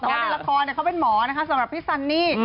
แต่ว่าในละครเขาเป็นหมอนะคะสำหรับพี่ซันนี่